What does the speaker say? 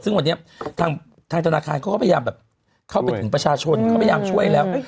ซึ่งวันนี้ทางธนาคารเขาก็พยายามแบบเข้าไปถึงประชาชนเขาพยายามช่วยแล้ว